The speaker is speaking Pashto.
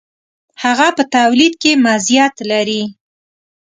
هغه په تولید کې مزیت لري.